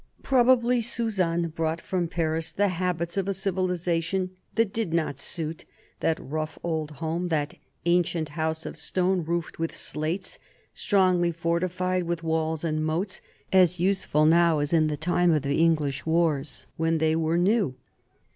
Probably Suzanne brought ^from Paris the habits of a civilisation that did not suit that rough old home, that " ancient house of stone, roofed with slates," strongly fortified with walls and moats as useful now as in the time of the English wars, when they were new.